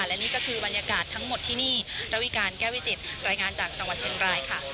และนี่ก็คือบรรยากาศทั้งหมดที่นี่ระวิการแก้วิจิตรายงานจากจังหวัดเชียงรายค่ะ